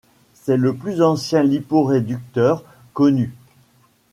C'est le plus ancien liporéducteur connu.